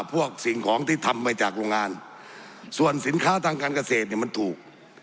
พวกสิ่งของที่ทำมาจากโรงงานส่วนสินค้าทางการเกษตรเนี่ยมันถูก